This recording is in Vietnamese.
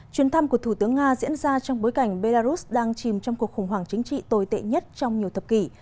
chuyến thăm của thủ tướng nga diễn ra trong bối cảnh belarus đang chìm trong cuộc khủng hoảng chính trị tồi tệ nhất trong nhiều thập kỷ